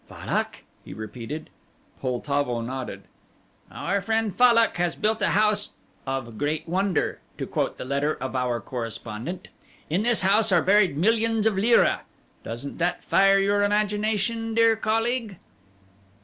"Fallock," he repeated. Poltavo nodded. "Our friend Fallock has built a house 'of great wonder,' to quote the letter of our correspondent. In this house are buried millions of lira doesn't that fire your imagination, dear colleague?"